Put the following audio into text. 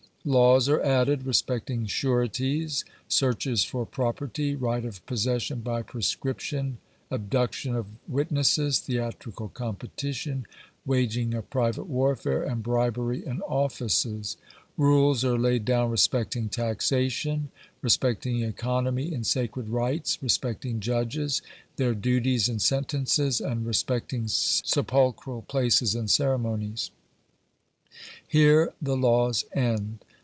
Laws are added respecting sureties, searches for property, right of possession by prescription, abduction of witnesses, theatrical competition, waging of private warfare, and bribery in offices. Rules are laid down respecting taxation, respecting economy in sacred rites, respecting judges, their duties and sentences, and respecting sepulchral places and ceremonies. Here the Laws end.